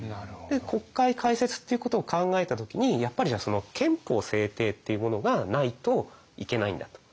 国会開設っていうことを考えた時にやっぱり憲法制定っていうものがないといけないんだと。